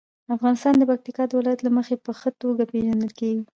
افغانستان د پکتیکا د ولایت له مخې په ښه توګه پېژندل کېږي.